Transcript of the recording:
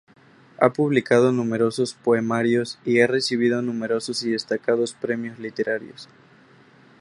Ha publicado numerosos poemarios y ha recibido numerosos y destacados premios literarios.